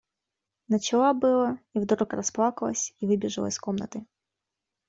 Начала было и вдруг расплакалась и выбежала из комнаты.